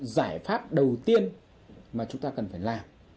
giải pháp đầu tiên mà chúng ta cần phải làm